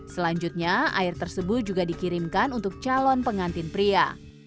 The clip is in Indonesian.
selanjutnya air tersebut juga dikirimkan untuk calon pengantin pria